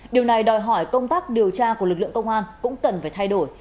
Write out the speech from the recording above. điều này đòi hỏi công tác điều tra của lực lượng công an cũng cần phải thay đổi